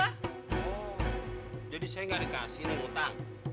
oh jadi saya nggak dikasih nih utang